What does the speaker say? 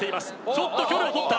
ちょっと距離を取った？